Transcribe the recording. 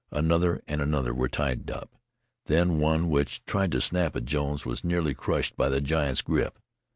Another and another were tied up, then one which tried to snap at Jones was nearly crushed by the giant's grip.